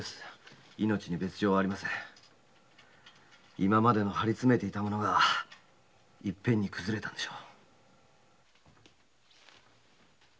今までの張りつめていたものがいっぺんにくずれたんでしょう。